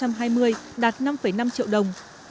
giảm tám mươi ba đồng so với cùng kỳ